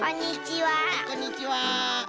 はいこんにちは。